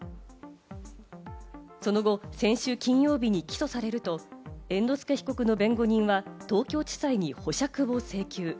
その後、先週金曜日に起訴されると、猿之助被告の弁護人は東京地裁に保釈を請求。